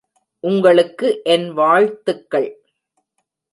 உங்களுக்கு என் வாழ்த்துக்கள்.